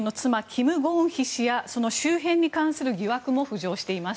キム・ゴンヒ氏やその周辺に関する疑惑も浮上しています。